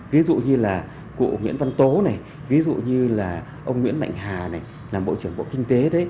ví dụ như là cụ nguyễn văn tố ví dụ như là ông nguyễn mạnh hà là bộ trưởng bộ kinh tế